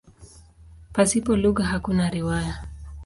Pasipo lugha hakuna riwaya.